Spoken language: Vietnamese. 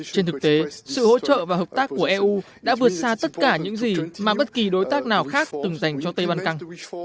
trên thực tế sự hỗ trợ và hợp tác của eu đã vượt xa tất cả những gì mà bất kỳ đối tác nào khác từng dành cho tây ban căng